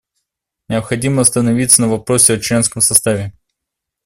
Необходимо остановиться на вопросе о членском составе.